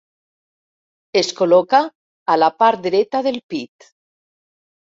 Es col·loca a la part dreta del pit.